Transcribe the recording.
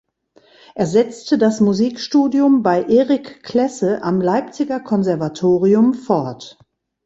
Er setzte das Musikstudium bei Eric Klesse am Leipziger Konservatorium fort.